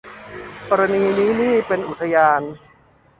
กรณีนี่นี้ เป็นอุทยาน